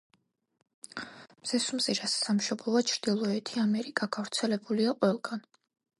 მზესუმზირას სამშობლოა ჩრდილოეთი ამერიკა, გავრცელებულია ყველგან.